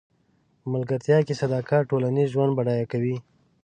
په ملګرتیا کې صداقت ټولنیز ژوند بډای کوي.